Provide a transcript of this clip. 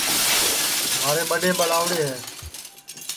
مھارے ٻڈؔے ٻلاؤڑے ہے